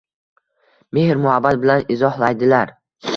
mehr-muhabbat bilan izohlaydilar.